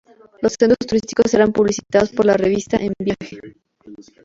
Los centros turísticos eran publicitados por la revista "En Viaje".